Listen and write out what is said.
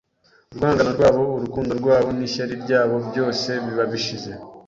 Urwangano rwabo, urukundo rwabo, n'ishyari ryabo byose biba bishize.